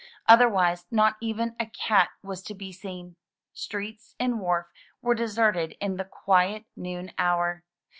Otherwise not even a cat was to be seen. Streets and wharf were deserted in the quiet noon hour.